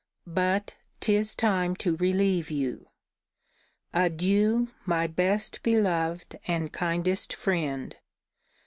But 'tis time to relieve you. Adieu, my best beloved and kindest friend!